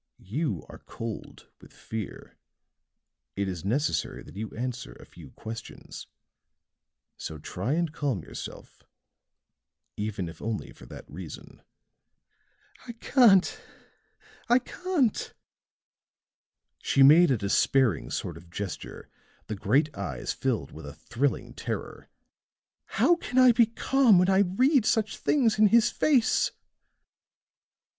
You are cold with fear. It is necessary that you answer a few questions; so try and calm yourself even if only for that reason." "I can't! I can't!" She made a despairing sort of gesture, the great eyes filled with a thrilling terror. "How can I be calm when I read such things in his face?"